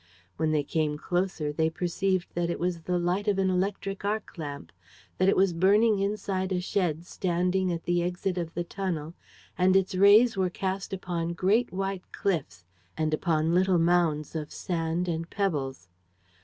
When they came closer, they perceived that it was the light of an electric arc lamp, that it was burning inside a shed standing at the exit of the tunnel and its rays were cast upon great white cliffs and upon little mounds of sand and pebbles.